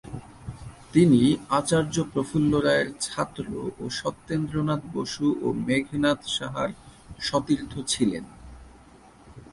তিনি আচার্য প্রফুল্লচন্দ্র রায়ের ছাত্র ও সত্যেন্দ্রনাথ বসু ও মেঘনাদ সাহার সতীর্থ ছিলেন।